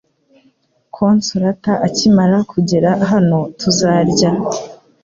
Consolata akimara kugera hano, tuzarya .